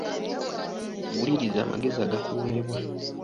Wuliriza amagezi agakuweebwa.